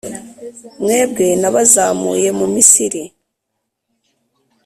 mwebwe nabazamuye mu Misiri,